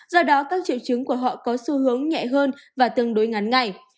do đó các triệu chứng của họ có xu hướng nhẹ hơn và tương đối ngắn ngày